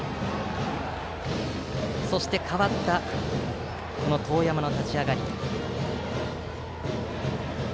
そして代わった杉山の立ち上がり。